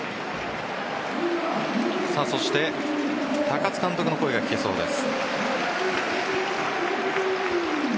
そして高津監督の声が聞けそうです。